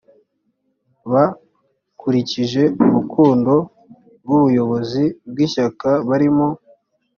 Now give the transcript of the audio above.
bkurikije urukundo rw’ubuyobozi bw’ishyaka barimo